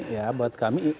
ya buat kami